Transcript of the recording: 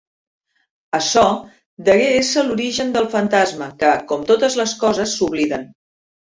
Açò degué ésser l’origen del fantasma, que, com totes les coses, s’obliden.